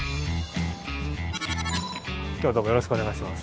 今日はどうもよろしくお願いします。